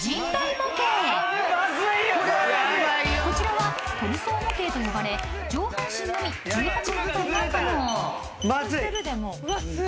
［こちらはトルソー模型と呼ばれ上半身のみ１８分解が可能］